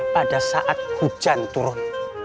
pada saat hujan turun